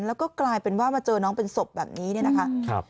แล้วก็กลายเป็นว่ามาเจอน้องเป็นศพแบบนี้เนี่ยนะคะ